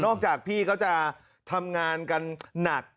จากพี่เขาจะทำงานกันหนัก